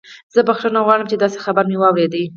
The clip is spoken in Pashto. زه بخښنه غواړم چې داسې خبر مې واورید